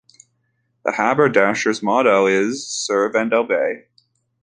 The Haberdashers' motto is "Serve and Obey".